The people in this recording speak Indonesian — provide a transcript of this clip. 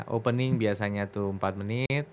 opening biasanya tuh empat menit